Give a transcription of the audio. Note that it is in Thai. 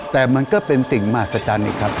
แต่มันก็เป็นสิ่งมากสัจจันอีกครับ